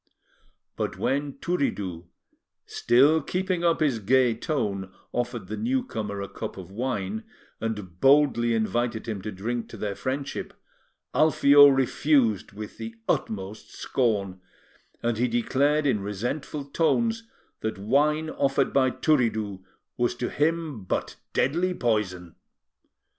But when Turiddu, still keeping up his gay tone, offered the newcomer a cup of wine, and boldly invited him to drink to their friendship, Alfio refused with the utmost scorn, and he declared in resentful tones that wine offered by Turiddu was to him but deadly poison.